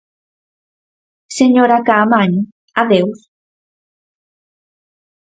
Señora Caamaño, adeus.